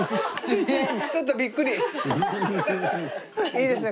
いいですね